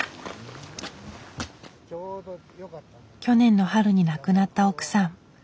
去年の春に亡くなった奥さん。